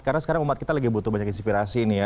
karena sekarang umat kita lagi butuh banyak inspirasi nih ya